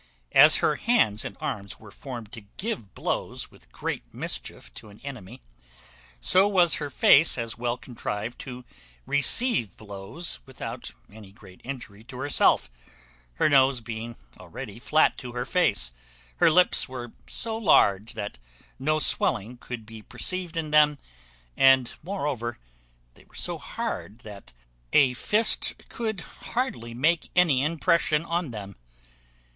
As her hands and arms were formed to give blows with great mischief to an enemy, so was her face as well contrived to receive blows without any great injury to herself, her nose being already flat to her face; her lips were so large, that no swelling could be perceived in them, and moreover they were so hard, that a fist could hardly make any impression on them.